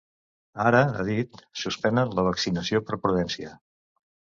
Ara, ah dit, suspenen la vaccinació per “prudència”.